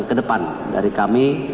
ke depan dari kami